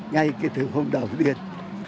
ngay từ hôm đầu tiên